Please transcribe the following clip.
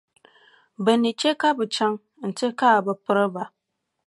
Bɛ ni che ka bɛ chaŋ nti kaai bɛ piriba.